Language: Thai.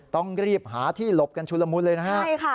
ต้องรีบหาที่หลบกันชุลมุนเลยนะฮะ